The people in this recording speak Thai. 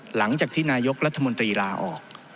หลังจากที่นายกรัฐมนตรีลาออก